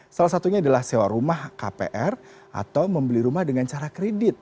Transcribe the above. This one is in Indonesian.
salah satunya adalah sewa rumah kpr atau membeli rumah dengan cara kredit